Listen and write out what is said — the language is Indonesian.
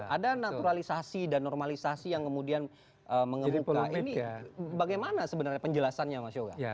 ada naturalisasi dan normalisasi yang kemudian mengemuka ini bagaimana sebenarnya penjelasannya mas yoga